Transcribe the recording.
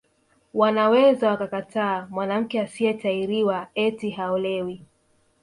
Wanaweza wakakataa mwanamke asiyetahiriwa eti haolewi